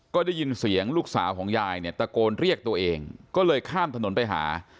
ก็ได้ยินเสียงลูกสาวของยายเนี่ยตะโกนเรียกตัวเองก็เลยข้ามถนนไปหา